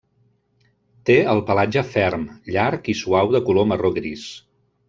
Té el pelatge ferm, llarg i suau de color marró-gris.